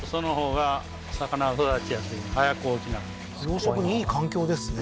養殖にいい環境ですね